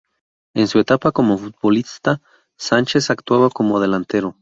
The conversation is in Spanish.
En su etapa como futbolista, Sánchez actuaba como delantero.